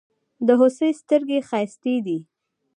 د هوسۍ ستړگي ښايستې دي.